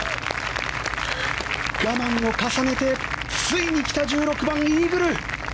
我慢を重ねてついに来た１６番、イーグル！